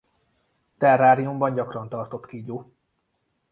Terráriumban gyakran tartott kígyó.